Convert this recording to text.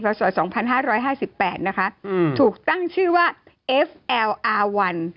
ผสัยสองพันห้าร้อยห้าสิบแปนนะคะอืมถูกตั้งชื่อว่าเอฟแอลอะวัน